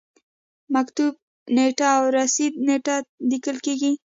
د مکتوب نیټه او رسیدو نیټه لیکل کیږي.